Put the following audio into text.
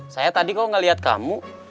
saya tadi kok nggak lihat kamu